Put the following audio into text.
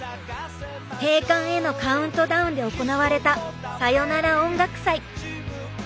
閉館へのカウントダウンで行われた「さよなら音楽祭」。